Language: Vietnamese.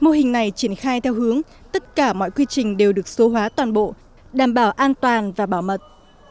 mô hình này triển khai theo hướng tất cả mọi quy trình đều được số hóa toàn bộ đảm bảo an toàn và bảo mật